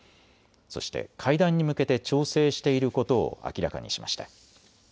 そして会談に向けて調整していることを明らかにしました。